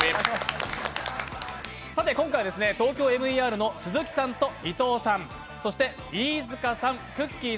今回は「ＴＯＫＹＯＭＥＲ」の鈴木さんと伊藤さん、そして飯塚さん、くっきー！